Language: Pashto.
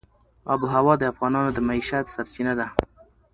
آب وهوا د افغانانو د معیشت سرچینه ده.